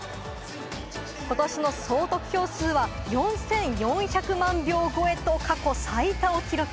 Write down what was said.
ことしの総得票数は４４００万票超えと過去最多を記録。